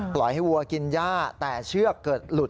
ปล่อยให้วัวกินย่าแต่เชือกเกิดหลุด